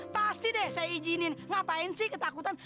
pasti deh saya izinin ngapain sih ketakutan